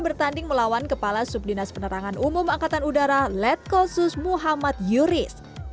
bertanding melawan kepala subdinas penerangan umum angkatan udara letkosus muhammad yuris